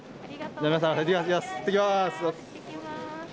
行ってきます。